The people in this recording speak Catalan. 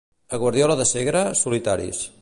A Guardiola de Segre, solitaris.